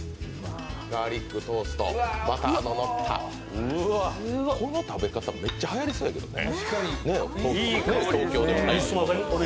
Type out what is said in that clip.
ガーリックトースト、バターののった、この食べ方めっちゃはやりそうですけどね。